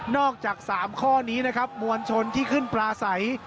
จาก๓ข้อนี้นะครับมวลชนที่ขึ้นปลาใส